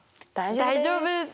大丈夫です。